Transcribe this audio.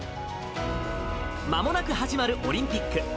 まもなく始まるオリンピック。